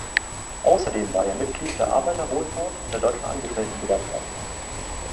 Außerdem war er Mitglied der Arbeiterwohlfahrt und der Deutschen Angestellten-Gewerkschaft.